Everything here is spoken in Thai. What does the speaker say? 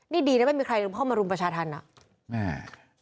นี่ดีนะไม่มีใครเข้ามารุมประชาธรรมอ่ะแม่